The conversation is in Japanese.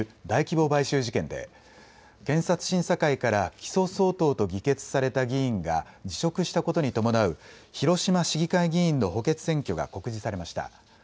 大規模買収事件で検察審査会から起訴相当と議決された議員が辞職したことに伴う広島市議会議員の補欠選挙が告示されました。